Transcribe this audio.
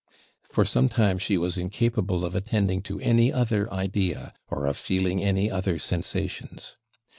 For some time she was incapable of attending to any other idea, or of feeling any other sensations.